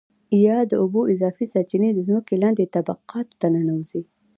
یا د اوبو اضافي سرچېنې د ځمکې لاندې طبقاتو Aquifers ته ننوځي.